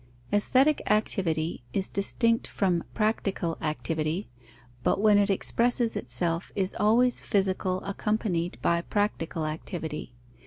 _ Aesthetic activity is distinct from practical activity but when it expresses itself is always physical accompanied by practical activity.